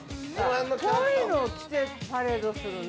◆こういうのを着てパレードするの？